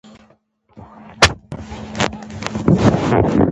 د جنوبي امریکا د مهمو کانونو نومونه واخلئ.